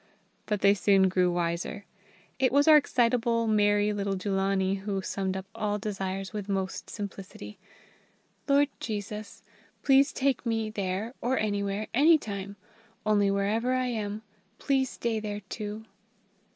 But they soon grew wiser. It was our excitable, merry little Jullanie who summed up all desires with most simplicity: "Lord Jesus, please take me there or anywhere anytime; only wherever I am, please stay there too!"